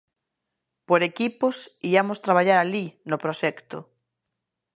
Por equipos iamos traballar alí no proxecto.